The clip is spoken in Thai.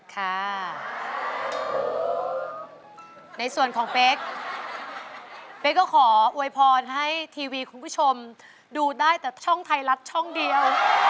ในส่วนของเป๊กเป๊กก็ขออวยพรให้ทีวีคุณผู้ชมดูได้แต่ช่องไทยรัฐช่องเดียว